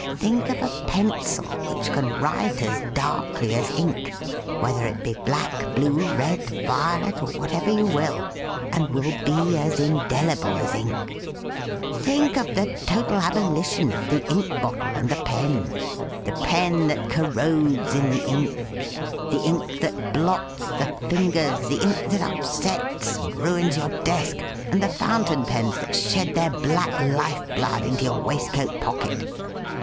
Think of a pencil which can write as darkly as ink — whether it be black, blue, red, violet, or whatever you will — and will be as indelible as ink. Think of the total abolition of the ink bottle and the pen — the pen that corrodes in the ink — the ink that blots the fingers, the ink that upsets and ruins your desk, and the fountain pens that shed their black life blood into your waistcoat pocket